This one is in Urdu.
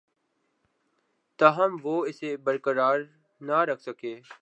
تاہم وہ اسے برقرار نہ رکھ سکے